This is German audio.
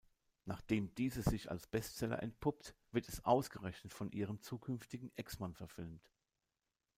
Nachdem dieses sich als Bestseller entpuppt, wird es ausgerechnet von ihrem zukünftigen Ex-Mann verfilmt.